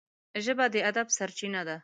ژبه د ادب سرچینه ده